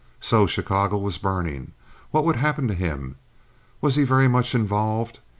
So Chicago was burning. What would happen to him? Was he very much involved?